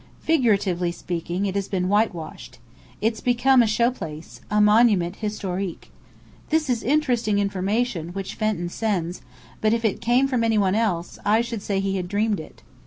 Figuratively speaking it has been whitewashed. It's become a show place a monument historique. This is interesting information which Fenton sends, but if it came from any one else, I should say he had dreamed it.